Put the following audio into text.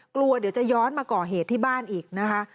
กลัวเดี๋ยวจะย้อนมาก่อเหตุที่บ้านอีกนะคะ